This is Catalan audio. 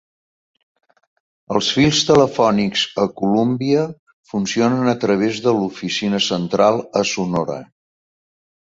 Els fils telefònics a Columbia funcionen a través de l'oficina central a Sonora.